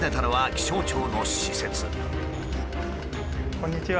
こんにちは。